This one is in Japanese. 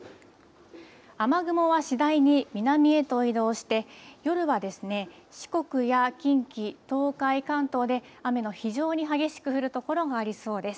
雨雲は次第に南へと移動して夜はですね、四国や近畿東海、関東で雨の非常に激しく降る所がありそうです。